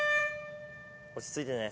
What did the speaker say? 落ち着いてね。